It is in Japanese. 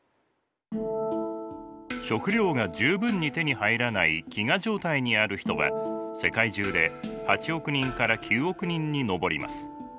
食料が十分に手に入らない飢餓状態にある人は世界中で８億人から９億人に上ります。